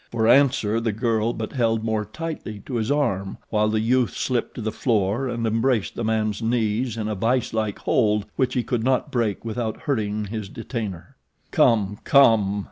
For answer the girl but held more tightly to his arm while the youth slipped to the floor and embraced the man's knees in a vice like hold which he could not break without hurting his detainer. "Come! Come!"